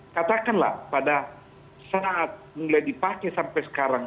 katakanlah pada saat mulai dipakai sampai sekarang